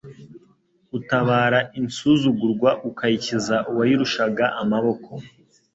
Utabara insuzugurwa ukayikiza uwayirushaga amaboko